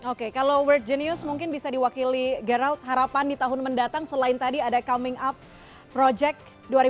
oke kalau world genius mungkin bisa diwakili geralt harapan di tahun mendatang selain tadi ada coming up project dua ribu dua puluh